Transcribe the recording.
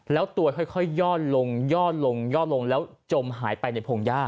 แล้วตัวค่อยย่อลงมาจมหายไปในผงหญ้า